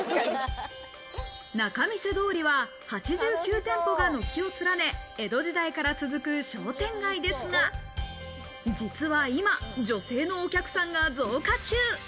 仲見世通りは８９店舗が軒を連ね、江戸時代から続く商店街ですが、実は今、女性のお客さんが増加中。